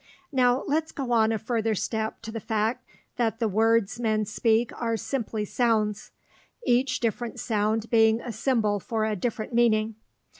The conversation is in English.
Now let's go on a further step to the fact that the words men speak are simply sounds, each different sound being a symbol for a different meaning.